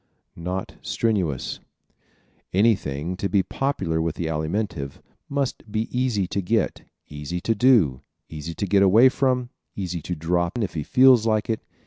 Not Strenuous ¶ Anything, to be popular with the Alimentive, must be easy to get, easy to do, easy to get away from, easy to drop if he feels like it.